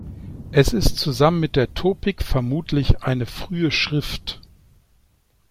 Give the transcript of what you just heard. Es ist zusammen mit der "Topik" vermutlich eine frühe Schrift.